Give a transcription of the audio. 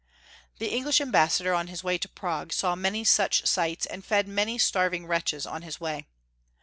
The English Ambassador on liis way to Prague saw many such sights, and fed many starving wretches on his way.